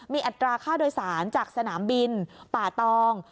มีอัตราค่าโดยสารจากสนามบินป่าตอง